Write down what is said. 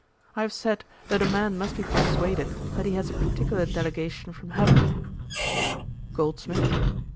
I have said, that a man must be persuaded that he has a particular delegation from heaven.' GOLDSMITH.